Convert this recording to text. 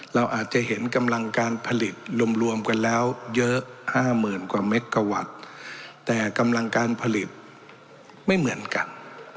เราอาจจะเห็นกำลังการผลิตรวมกันแล้วเยอะห้าหมื่นกว่าเมกะวัตต์แต่กำลังการผลิตไม่เหมือนกัน